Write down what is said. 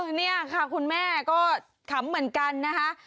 นี่ค่ะคุณแม่ก็ขำเหมือนกันนะคะ